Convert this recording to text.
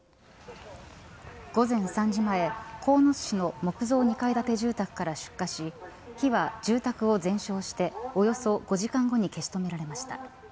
午前３時前鴻巣市の木造２階建て住宅から出火し火は住宅を全焼しておよそ５時間後に消し止められました。